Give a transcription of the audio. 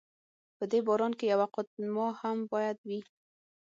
په دې باران کې یوه قطب نما هم باید وي.